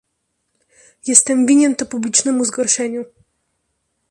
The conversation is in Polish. "Jestem winien to publicznemu zgorszeniu."